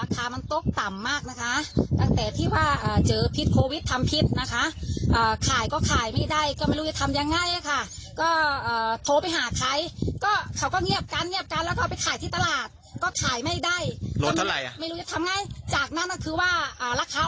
ก็คือว่าราคา๖บาทนะคะยานพื้นเลยราคา๖บาทอ่ะ